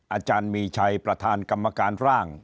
อาจารย์มีชัยประธานกรรมการร่าง